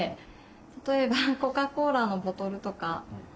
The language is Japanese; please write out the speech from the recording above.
例えばコカコーラのボトルとか。